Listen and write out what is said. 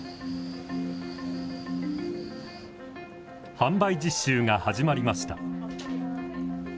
販売実習が始まりました。